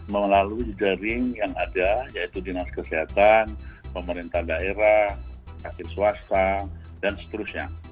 melalui jaring yang ada yaitu dinas kesehatan pemerintah daerah sakit swasta dan seterusnya